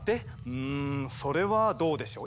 うんそれはどうでしょう。